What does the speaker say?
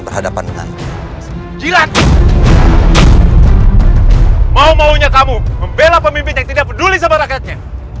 berhadapan dengan jilat mau maunya kamu membela pemimpin tidak peduli sebarang